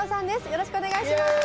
よろしくお願いします。